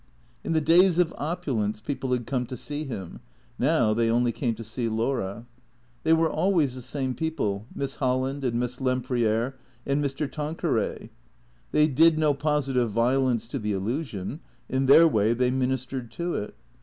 In the days of opulence people had come to see him ; now they only came to see Laura. They were always the same people, Miss Holland and Miss Lempriere and Mr. Tanqueray. They did no positive violence to the illusion; in their way they minis tered to it.